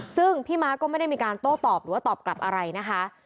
ซึ่งพี่ม้าก็ไม่ได้มีการโต้ตอบหรือว่าตอบกลับอะไรนะคะ